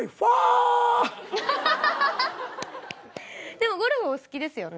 でもゴルフお好きですよね？